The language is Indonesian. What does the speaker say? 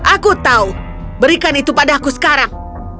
aku tahu berikan itu padaku sekarang